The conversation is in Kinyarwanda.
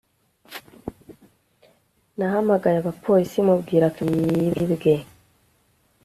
nahamagaye abapolisi mubwira ko imodoka yanjye yibwe